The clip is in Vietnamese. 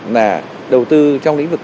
là đầu tư trong lĩnh vực